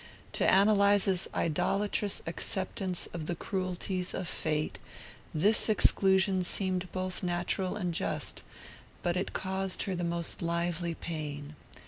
To Ann Eliza's idolatrous acceptance of the cruelties of fate this exclusion seemed both natural and just; but it caused her the most lively pain.